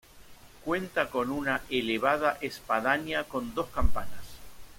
Cuenta con una elevada espadaña con dos campanas.